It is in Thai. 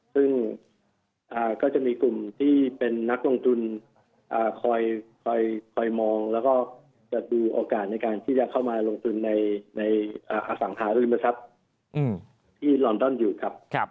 ซึ่งก็จะมีกลุ่มที่เป็นนักลงทุนคอยมองแล้วก็จะดูโอกาสในการที่จะเข้ามาลงทุนในอสังหาริมทรัพย์ที่ลอนดอนอยู่ครับ